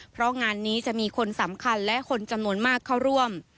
เพราะงานนี้จะมีคนสำคัญและคนจำนวนมากเข้าร่วม